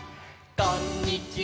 「こんにちは」